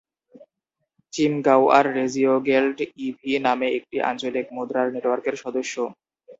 চিমগাউয়ার রেজিওগেল্ড ই.ভি নামে একটি আঞ্চলিক মুদ্রার নেটওয়ার্কের সদস্য।